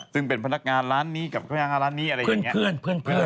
ซึ่งเป็นพนักงานร้านนี้กับพนักงานร้านนี้อะไรอย่างนี้